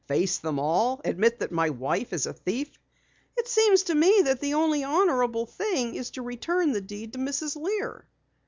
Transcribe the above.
"Face them all? Admit that my wife is a thief?" "It seems to me that the only honorable thing is to return the deed to Mrs. Lear."